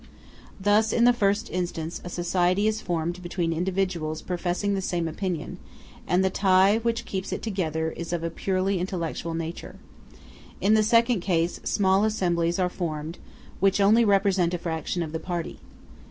Thus, in the first instance, a society is formed between individuals professing the same opinion, and the tie which keeps it together is of a purely intellectual nature; in the second case, small assemblies are formed which only represent a fraction of the party.